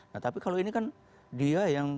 nah tapi kalau ini kan dia yang